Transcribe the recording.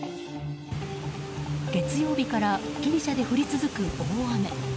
月曜日からギリシャで降り続く大雨。